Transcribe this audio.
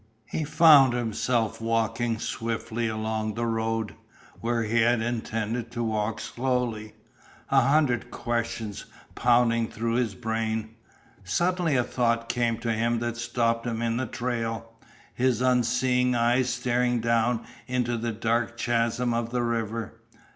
He found himself walking swiftly along the road, where he had intended to walk slowly a hundred questions pounding through his brain. Suddenly a thought came to him that stopped him in the trail, his unseeing eyes staring down into the dark chasm of the river.